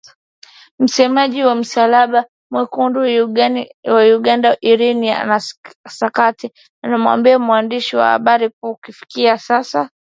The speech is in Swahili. Msemaji wa Msalaba Mwekundu wa Uganda Irene Nakasita aliwaambia waandishi wa habari kuwa kufikia sasa waokoaji wamechukua miili ishirini.